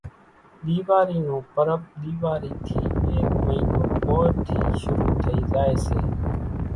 ۮيواري نون پرٻ ۮيواري ٿي ايڪ مئينو مور ٿي شرُو ٿئي زائي سي